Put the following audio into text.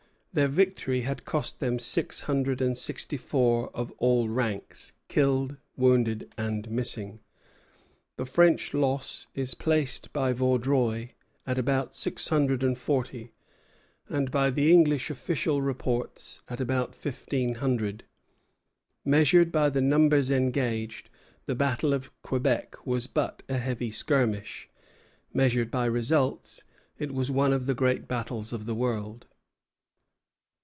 Their victory had cost them six hundred and sixty four of all ranks, killed, wounded, and missing. The French loss is placed by Vaudreuil at about six hundred and forty, and by the English official reports at about fifteen hundred. Measured by the numbers engaged, the battle of Quebec was but a heavy skirmish; measured by results, it was one of the great battles of the world.